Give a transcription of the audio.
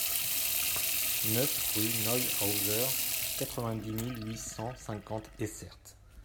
neuf rue Neuhauser, quatre-vingt-dix mille huit cent cinquante Essert